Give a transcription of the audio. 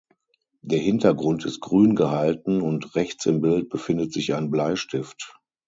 Der Hintergrund ist grün gehalten und rechts im Bild befindet sich ein Bleistift.